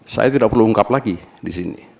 saya tidak perlu ungkap lagi di sini